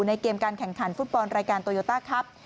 ในเกมการแข่งขันฟุตบอลรายการโตโยต้าครับ